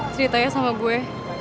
ceritanya sama gue